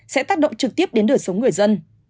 sẽ tác động trực tiếp đến đời sống người dân